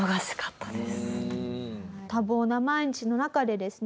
多忙な毎日の中でですね